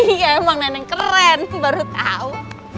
iya emang nenek keren baru tau